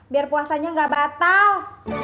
biar puasanya gak batal